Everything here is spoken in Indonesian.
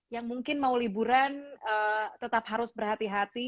yang mungkin mau liburan tetap harus berhati hati